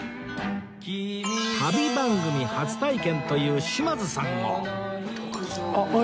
旅番組初体験という島津さんを